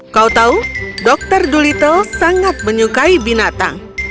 kau tahu dokter dulittle sangat menyukai binatang